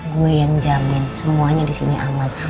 gue yang jamin semuanya disini aman